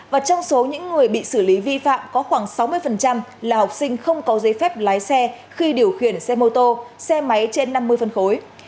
và trong số những người bị xử lý vi phạm có khoảng sáu mươi là học sinh không có giấy phép lái xe khi điều khiển xe mô tô xe máy trên năm mươi phân khối